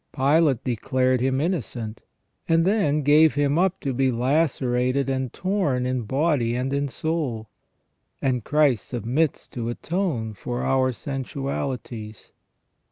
Pilate declared Him innocent, and then gave Him up to be lacerated and torn in body and in soul ; and Christ submits to atone for our sensualities.